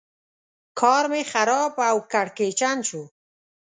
کار مې خراب او کړکېچن شو.